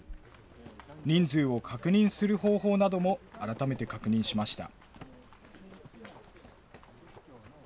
人数を確認する方法なども改めて確認しました。